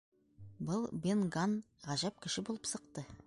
Был Бен Ганн ғәжәп кеше булып сыҡты.